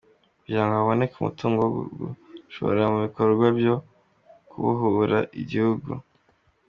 Kugirango haboneke umutungo wo gushora mubikorwa byo kubohora igihugu: